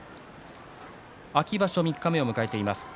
秋場所三日目を迎えています。